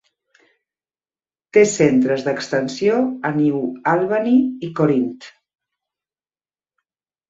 Té centres d'extensió a New Albany i Corinth.